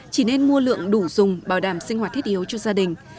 chỉ nên mua lượng đủ dùng bảo đảm sinh hoạt thiết yếu cho gia đình